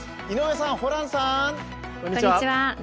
井上さん、ホランさん。